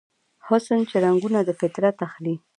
حسن چې رنګونه دفطرت اخلي